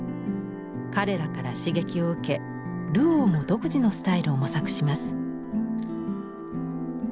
彼らから刺激を受けルオーも独自のスタイルを模索します。